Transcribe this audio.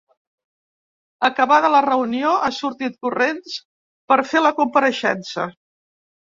Acabada la reunió, he sortit corrents per fer la compareixença.